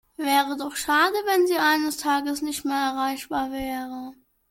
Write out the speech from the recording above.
Wäre doch schade, wenn Sie eines Tages nicht mehr erreichbar wäre.